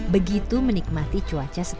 begitu menikmati cuaca setempat